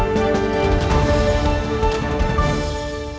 terima kasih pak